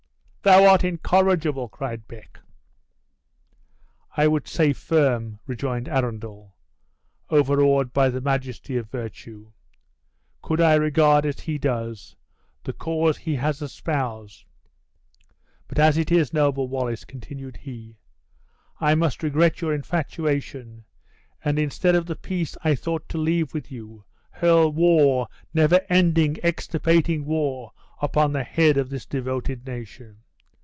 "Thou art incorrigible!" cried Beck. "I would say, firm," rejoined Arundel, overawed by the majesty of virtue, "could I regard, as he does, the cause he has espoused. But, as it is, noble Wallace," continued he, "I must regret your infatuation; and instead of the peace I thought to leave with you, hurl war, never ending, extirpating war, upon the head of this devoted nation!"